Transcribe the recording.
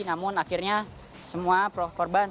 namun akhirnya semua korban